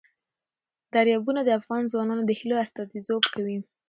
دریابونه د افغان ځوانانو د هیلو استازیتوب کوي.